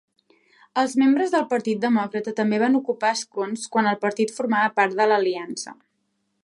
Els membres del Partit Demòcrata també van ocupar escons quan el partit formava part de l'Aliança.